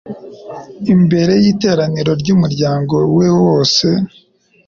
imbere y’iteraniro ry’umuryango we wose